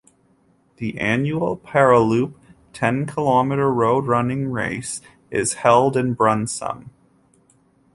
The annual Parelloop ten kilometer road running race is held in Brunssum.